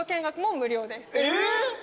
えっ！